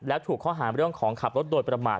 แล้วถูกข้อหาเรื่องของขับรถโดยประมาท